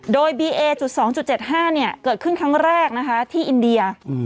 โดยบีเอจุดสองจุดเจ็ดห้าเนี่ยเกิดขึ้นครั้งแรกนะคะที่อินเดีย